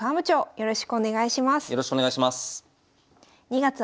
よろしくお願いします。